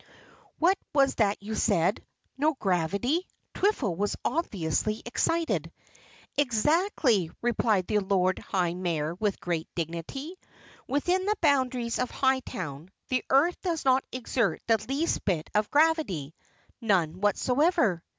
"What was that you said? no gravity?" Twiffle was obviously excited. "Exactly," replied the Lord High Mayor with great dignity. "Within the boundaries of Hightown, the earth does not exert the least bit of gravity none whatsoever."